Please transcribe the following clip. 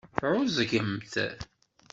Tɛeẓgemt?